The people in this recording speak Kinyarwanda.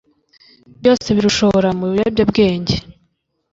byose birushora mu biyobyabwenge.